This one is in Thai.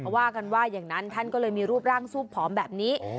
ว่ากันว่าอย่างนั้นท่านก็เลยมีรูปร่างซูบผอมแบบนี้